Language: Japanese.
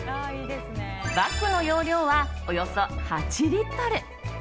バッグの容量はおよそ８リットル。